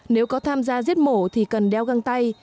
nếu có tham gia giết mổ thì cần đeo găng tay